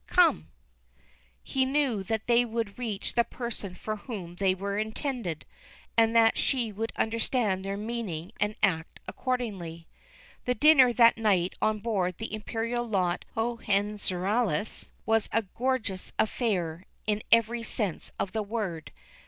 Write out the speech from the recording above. come." He knew that they would reach the person for whom they were intended, and that she would understand their meaning and act accordingly. The dinner that night on board the Imperial yacht Hohenszrallas was a gorgeous affair in every sense of the word.